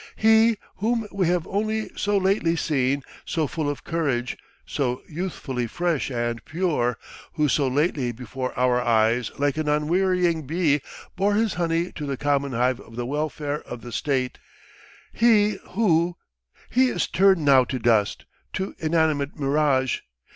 He whom we have only so lately seen, so full of courage, so youthfully fresh and pure, who so lately before our eyes like an unwearying bee bore his honey to the common hive of the welfare of the state, he who ... he is turned now to dust, to inanimate mirage.